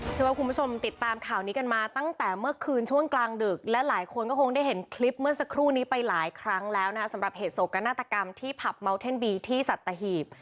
เชื่อว่าคุณผู้ชมติดตามข่าวนี้กันมาตั้งแต่เมื่อคืนช่วงกลางดึกและหลายคนก็คงได้เห็นคลิปเมื่อสักครู่นี้ไปหลายครั้งแล้วนะคะสำหรับเหตุโศกนาฏกรรมที่ผับเมาเท่นบีที่สัตหีบ